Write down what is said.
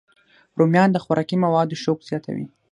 رومیان د خوراکي موادو شوق زیاتوي